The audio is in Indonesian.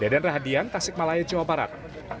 sekian tasik malaya jawa barat